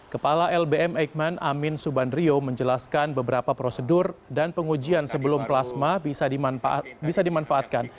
kepala lbm eijkman amin subandrio menjelaskan beberapa prosedur dan pengujian sebelum plasma bisa dimanfaatkan